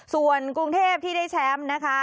ส่วนกรุงเทพที่ได้แชมป์นะคะ